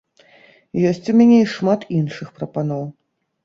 Ёсць у мяне і шмат іншых прапаноў.